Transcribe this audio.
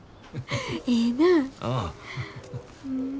ええなぁ。